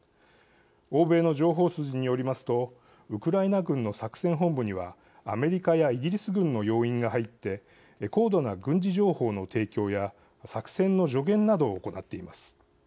欧米の情報筋によりますとウクライナ軍の作戦本部にはアメリカやイギリス軍の要員が入って高度な軍事情報の提供や作戦の助言などを行っています。